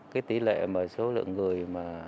cái tỷ lệ mà số lượng người